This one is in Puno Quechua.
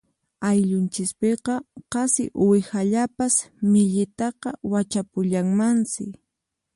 Ayllunchispiqa qasi uwihallapas millitaqa wachapullanmansi.